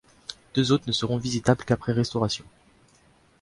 Deux autres ne seront visitables qu'après restauration.